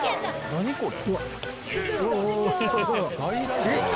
何これ？